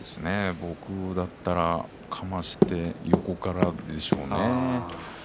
僕だったらかまして横からでしょうね。